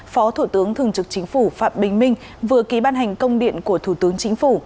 phó thủ tướng thường trực chính phủ phạm bình minh vừa ký ban hành công điện của thủ tướng chính phủ